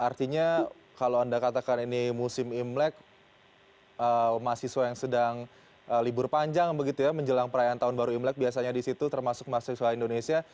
artinya kalau anda katakan ini musim imlek mahasiswa yang sedang libur panjang begitu ya menjelang perayaan tahun baru imlek biasanya di situ termasuk mahasiswa indonesia